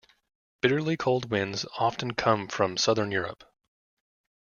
Bitterly cold winds often come from Southern Europe.